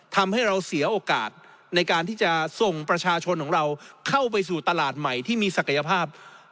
ทำให้เราเสียโอกาสในการที่จะส่งประชาชนของเราเข้าไปสู่ตลาดใหม่ที่มีศักยภาพ